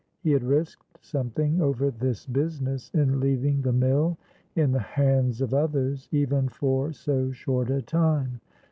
He had risked something over this business in leaving the mill in the hands of others, even for so short a time.